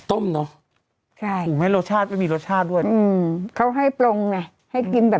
เนอะใช่ถูกไหมรสชาติไม่มีรสชาติด้วยอืมเขาให้ปรุงไงให้กินแบบ